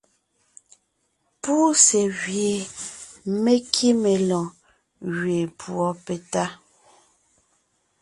Púse gwie me kíme lɔɔn gẅeen púɔ petá.